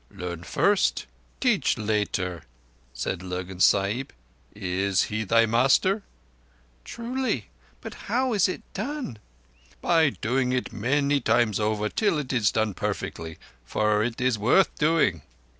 "Learn first—teach later," said Lurgan Sahib. "Is he thy master?" "Truly. But how is it done?" "By doing it many times over till it is done perfectly—for it is worth doing."